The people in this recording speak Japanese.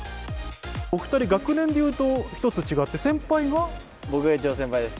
お２人、学年でいうと１つ違って、僕が一応先輩です。